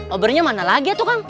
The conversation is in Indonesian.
obornya mana lagi tuh kang